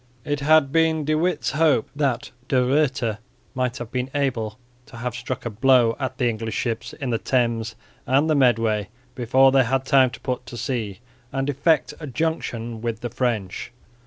It had been De Witt's hope that De Ruyter might have been able to have struck a blow at the English ships in the Thames and the Medway before they had time to put to sea and effect a junction with the French.